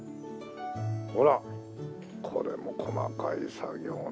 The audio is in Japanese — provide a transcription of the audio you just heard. ほらこれも細かい作業だ。